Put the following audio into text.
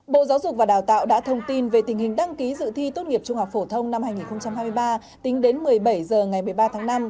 bộ giáo dục và đào tạo đã thông tin về tình hình đăng ký dự thi tốt nghiệp trung học phổ thông năm hai nghìn hai mươi ba tính đến một mươi bảy h ngày một mươi ba tháng năm